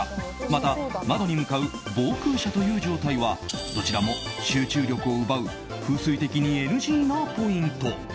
また窓に向かう望空射という状態はどちらも集中力を奪う風水的にＮＧなポイント。